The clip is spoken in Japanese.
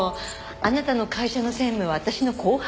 「あなたの会社の専務は私の後輩です」って。